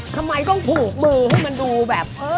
ทำไมต้องผูกมือให้มันดูแบบ